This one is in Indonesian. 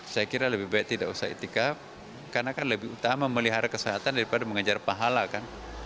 saya kira lebih baik tidak usah itikaf karena kan lebih utama melihara kesehatan daripada mengejar pahala kan